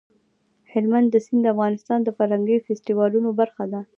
هلمند سیند د افغانستان د فرهنګي فستیوالونو برخه ده.